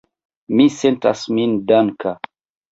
Mi sentas min danka.